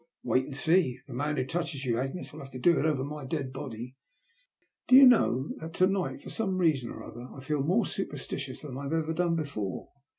" Wait and see. The man who touches you, Agnes, will have to do it over my dead body. Do you know that to night, for some reason or other, I feel more superstitious than I have ever done before.